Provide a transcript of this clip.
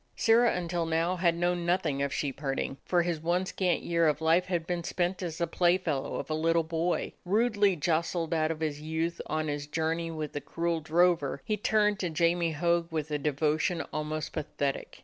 Sirrah until now had known nothing of sheep herding, for his one scant year of life had been spent as the playfellow of a little boy. Rudely jostled out of his youth on his journey with the cruel drover, he turned to Jamie Hogg with a devotion almost pathetic.